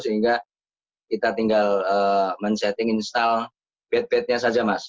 sehingga kita tinggal men setting install bed bednya saja mas